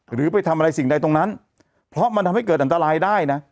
หรือไปทำอะไรสิ่งใดตรงนั้นเพราะมันทำให้เกิดอันตรายได้นะ